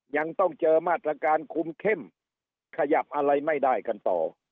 ยังต้องเจอมาตรการคุมเข้มขยับอะไรไม่ได้กันต่อ